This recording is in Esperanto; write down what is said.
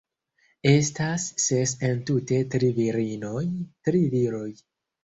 Estas ses entute tri virinoj, tri viroj